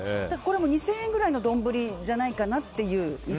２０００円弱くらいの丼じゃないかなっていう。